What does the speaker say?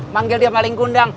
manggil dia maling kundang